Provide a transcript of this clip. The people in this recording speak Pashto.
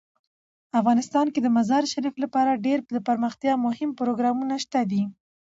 افغانستان کې د مزارشریف لپاره ډیر دپرمختیا مهم پروګرامونه شته دي.